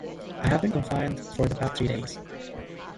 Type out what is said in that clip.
I have been confined for the past three days.